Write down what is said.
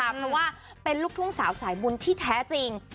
เพราะว่าเป็นลูกทุ่งสาวสายบุญที่แท้จริง